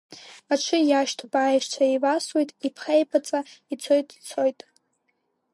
Аҽы иашьҭоуп, аишьцәа еивасуеит, иԥхеибаҵа ицоит, ицоит…